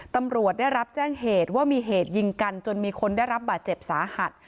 ตำรวจได้รับแจ้งเหตุว่ามีเหตุยิงกันจนมีคนได้รับบาดเจ็บสาหัส